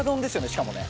しかもね。